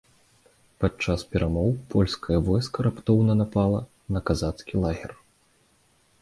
Падчас перамоў польскае войска раптоўна напала на казацкі лагер.